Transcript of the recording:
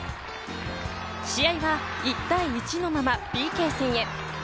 試合は１対１のままＰＫ戦へ。